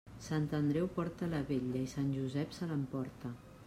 Sant Andreu porta la vetlla i Sant Josep se l'emporta.